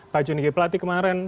pak jonny g plati kemarin